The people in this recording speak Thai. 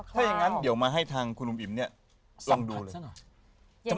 ถ้าอย่างงั้นเดี๋ยวมาให้ทางคุณอุ้มอิ่มเนี่ยลองดูเลย